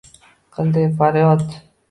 Qildi faryod